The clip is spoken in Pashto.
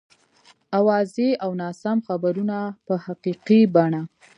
اوازې او ناسم خبرونه په حقیقي بڼه.